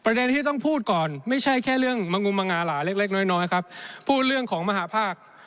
ประเด็นที่ต้องพูดก่อนไม่ใช่เรื่องมงุมมงาหราเล็กน้อยครับ